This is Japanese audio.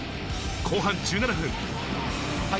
後半１７分。